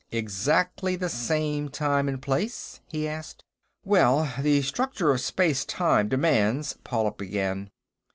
"Exactly the same time and place?" he asked. "Well, the structure of space time demands...." Paula began.